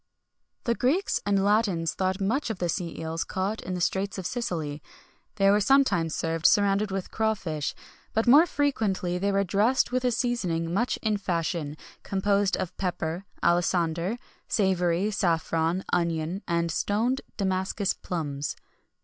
The Greeks and Latins thought much of sea eels caught in the straits of Sicily.[XXI 68] They were sometimes served surrounded with crawfish;[XXI 69] but more frequently they were dressed with a seasoning much in fashion, composed of pepper, alisander, savory, saffron, onion, and stoned Damascus plums.